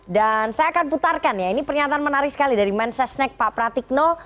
dan saya akan putarkan ya ini pernyataan menarik sekali dari mensesnek pak pratikno